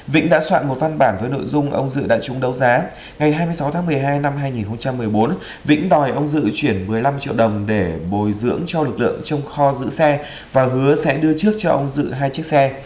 vĩnh đã soạn một văn bản với nội dung ông dự đại chúng đấu giá ngày hai mươi sáu tháng một mươi hai năm hai nghìn một mươi bốn vĩnh đòi ông dự chuyển một mươi năm triệu đồng để bồi dưỡng cho lực lượng trong kho giữ xe và hứa sẽ đưa trước cho ông dự hai chiếc xe